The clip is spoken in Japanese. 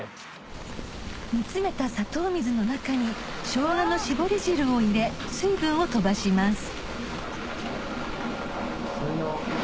煮詰めた砂糖水の中に生姜の搾り汁を入れ水分を飛ばします